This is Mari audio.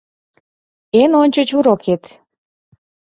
Эн ончыч урокет